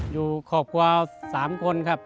อยู่ครอบครัว๓คนครับ